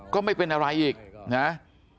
ก็ไม่เป็นอะไรอีกนะ